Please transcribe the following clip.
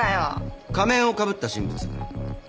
仮面をかぶった人物。